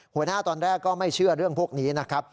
หัวหน้าตอนแรกก็ไม่เชื่อเรื่องพวกนี้นะครับ